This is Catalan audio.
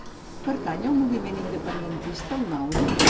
Pertany al moviment independentista el Mauro?